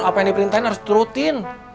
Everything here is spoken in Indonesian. apa yang diperintahin harus diturutin